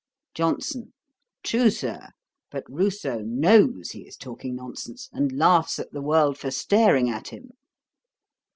JOHNSON. 'True, Sir, but Rousseau knows he is talking nonsense, and laughs at the world for staring at him.'